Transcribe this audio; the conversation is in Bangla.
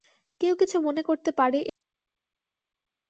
কেউ কিছু মনে করতে পারে এ-সব তর্ক তাঁর নয়।